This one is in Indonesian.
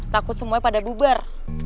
takut semuanya pada bubar